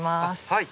はい。